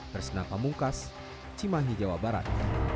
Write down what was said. tersenapa mungkas cimahi jawa barat